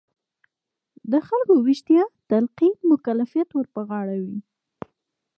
د خلکو ویښتیا تلقین مکلفیت ور په غاړه وي.